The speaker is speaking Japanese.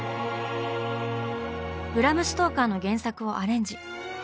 ブラム・ストーカーの原作をアレンジ。